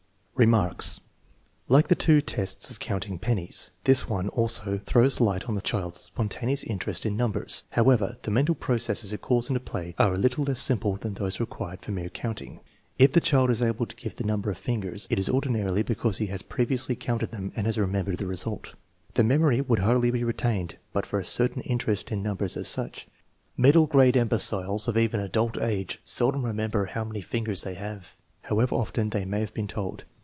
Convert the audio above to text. Remarks. Like the two tests of counting pennies, this one, also, throws light on the child's spontaneous interest in numbers. However, the mental processes it calls into play are a little less simple than those required for mere counting. If the child is able to give the number of fingers, it is ordinarily because he has previously counted them and has remembered the result. The memory would hardly be retained but for a certain interest in numbers as such. Middle grade imbeciles of even adult age seldom remember how many fingers they have, however often they may have been told.